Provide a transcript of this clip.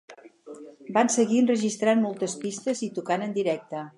Van seguir enregistrant moltes pistes i tocant en directe.